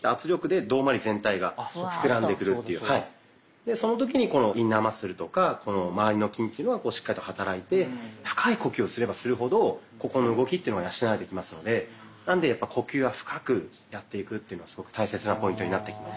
でその時にこのインナーマッスルとかまわりの筋というのはしっかりと働いて深い呼吸をすればするほどここの動きというのは養われてきますのでなので呼吸は深くやっていくというのはすごく大切なポイントになってきます。